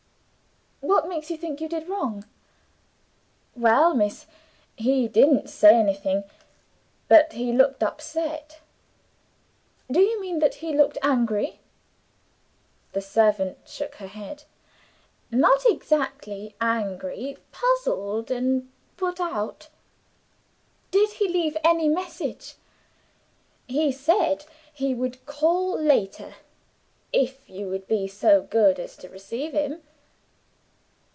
"What makes you think you did wrong?" "Well, miss, he didn't say anything, but he looked upset." "Do you mean that he looked angry?" The servant shook her head. "Not exactly angry puzzled and put out." "Did he leave any message?" "He said he would call later, if you would be so good as to receive him."